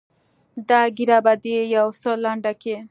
دا ږيره به دې يو څه لنډه کې.